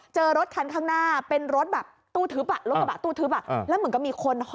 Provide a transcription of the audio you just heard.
เจอรถทางหน้าตูทึบลึก